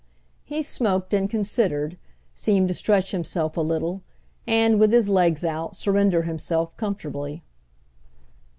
He smoked and considered; seemed to stretch himself a little and, with his legs out, surrender himself comfortably.